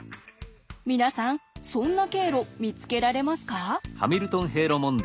皆さんそんな経路見つけられますか？